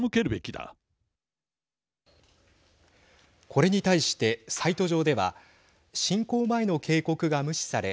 これに対して、サイト上では侵攻前の警告が無視され